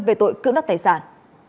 về tội cưỡng đất tài sản